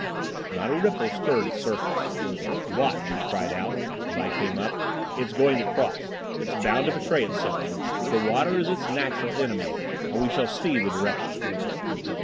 Not a ripple stirred its surface. "Watch!" he cried out, as I came up. "It's going to cross. It's bound to betray itself. The water is its natural enemy, and we shall see the direction."